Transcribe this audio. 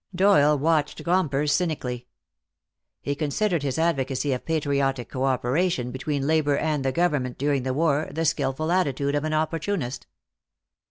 Doyle watched Gompers cynically.. He considered his advocacy of patriotic cooperation between labor and the Government during the war the skillful attitude of an opportunist.